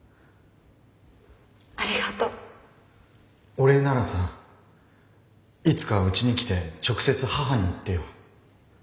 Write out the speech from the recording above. お礼ならさいつかうちに来て直接母に言ってよ。